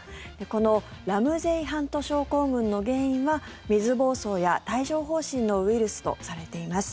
このラムゼイ・ハント症候群の原因は水ぼうそうや帯状疱疹のウイルスとされています。